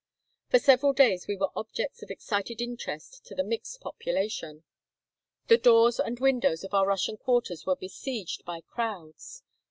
For several days we were objects of excited interest to the mixed population. The doors and windows of our Russian quarters were besieged by crowds.